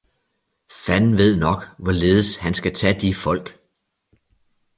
Fanden ved nok, hvorledes han skal tage de folk!